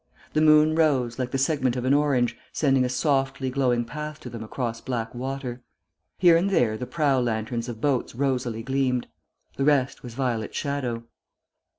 The moon rose, like the segment of an orange, sending a softly glowing path to them across black water. Here and there the prow lanterns of boats rosily gleamed. The rest was violet shadow.